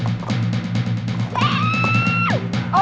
เร็ว